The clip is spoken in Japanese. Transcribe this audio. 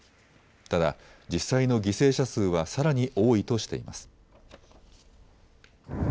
ただ、実際の犠牲者数はさらに多いとしています。